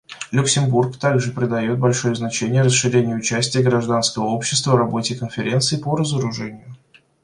Люксембург также придает большое значение расширению участия гражданского общества в работе Конференции по разоружению.